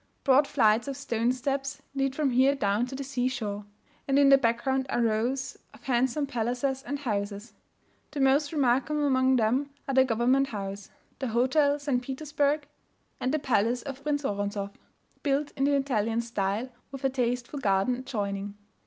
Broad flights of stone steps lead from here down to the sea shore; and in the background are rows of handsome palaces and houses. The most remarkable among them are the Government House, the Hotel St. Petersburgh, and the Palace of Prince Woronzoff, built in the Italian style, with a tasteful garden adjoining.